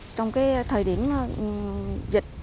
trong thời điểm dịch